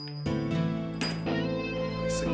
saya sudah berhasil